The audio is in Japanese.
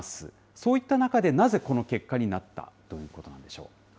そういった中で、なぜこの結果になったということなんでしょう。